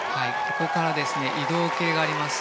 ここから移動系があります。